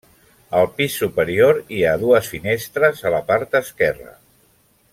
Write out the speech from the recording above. Al pis superior hi ha dues finestres a la part esquerra.